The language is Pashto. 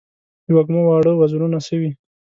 د وږمو واړه وزرونه سوی